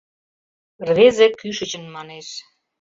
Рвезе кӱшычын манеш.